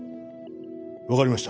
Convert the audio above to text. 分かりました